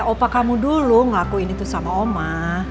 opa kamu dulu ngakuin itu sama oma